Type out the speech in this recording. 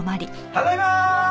ただいまー！